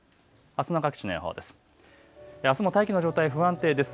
あすの各地の予報です。